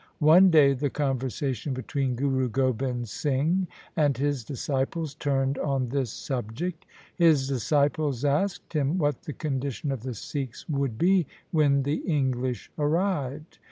One day the conversation between Guru Gobind Singh and his disciples turned on this subject. His disciples asked him what the condition of the Sikhs would be when the English arrived.